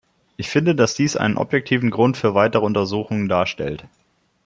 Ich finde, dass dies einen objektiven Grund für weitere Untersuchungen darstellt.